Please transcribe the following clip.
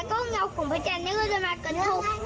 นักฝังพระอาทิตย์จะมากระทบ